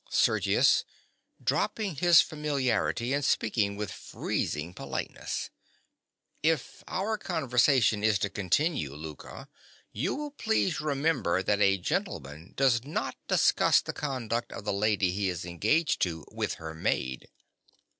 SERGIUS. (dropping his familiarity and speaking with freezing politeness). If our conversation is to continue, Louka, you will please remember that a gentleman does not discuss the conduct of the lady he is engaged to with her maid.